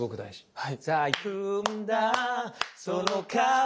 はい。